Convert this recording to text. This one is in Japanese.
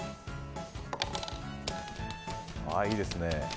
いいですね。